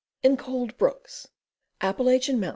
In cold brooks. Appalachian Mts.